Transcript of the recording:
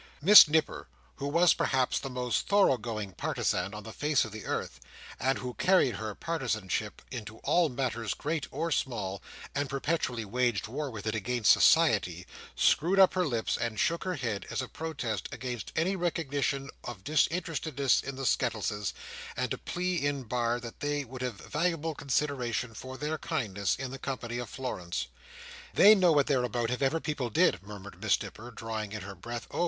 Miss Nipper, who was perhaps the most thoroughgoing partisan on the face of the earth, and who carried her partisanship into all matters great or small, and perpetually waged war with it against society, screwed up her lips and shook her head, as a protest against any recognition of disinterestedness in the Skettleses, and a plea in bar that they would have valuable consideration for their kindness, in the company of Florence. "They know what they're about, if ever people did," murmured Miss Nipper, drawing in her breath "oh!